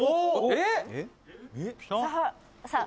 「えっ！？」